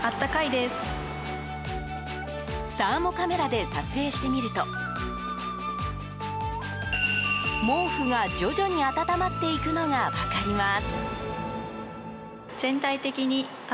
サーモカメラで撮影してみると毛布が徐々に温まっていくのが分かります。